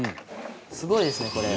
すごいですねこれ。